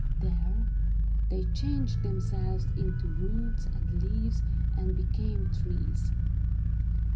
There, they changed themselves into roots and leaves, and became trees.